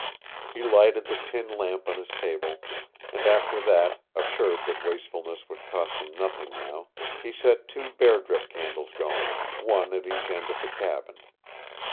He lighted the tin lamp on his table and after that, assured that wastefulness would cost him nothing now, he set two bear drip candles going, one at each end of the cabin.